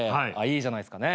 いいじゃないっすかね。